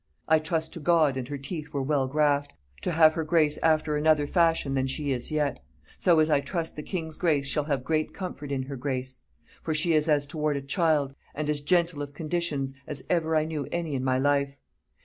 I trust to God and her teeth were well graft, to have her grace after another fashion than she is yet: so as I trust the king's grace shall have great comfort in her grace. For she is as toward a child, and as gentle of conditions, as ever I knew any in my life.